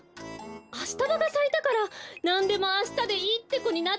アシタバがさいたからなんでもあしたでいいってこになっちゃったのかしら。